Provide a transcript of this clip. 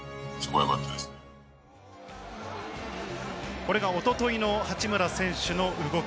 これが一昨日の八村選手の動き。